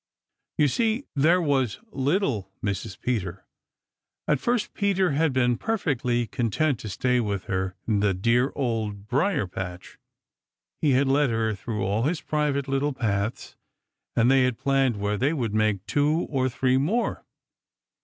You see, there was little Mrs. Peter. At first Peter had been perfectly content to stay with her in the dear Old Briar patch. He had led her through all his private little paths, and they had planned where they would make two or three more.